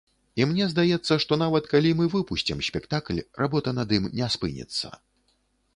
І мне здаецца, што нават калі мы выпусцім спектакль, работа над ім не спыніцца.